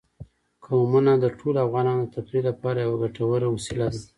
قومونه د ټولو افغانانو د تفریح لپاره یوه ګټوره وسیله ده.